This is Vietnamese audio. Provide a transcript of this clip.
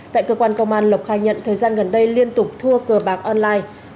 tại cơ quan công an lộc khai nhận thời gian gần đây liên tục thua cờ bạc online